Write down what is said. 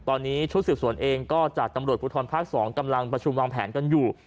ตอนนี้ชุดสืบสวนเองก็จากตำรวจภูทรภาค๒กำลังประชุมวางแผนกันอยู่